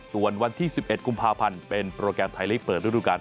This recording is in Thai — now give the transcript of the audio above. ส่วนวันที่๑๑กุมภาพันธ์เป็นโปรแกรมไทยลีกเปิดฤดูการ